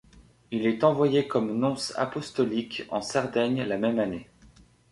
Il est envoyé comme nonce apostolique en Sardaigne la même année.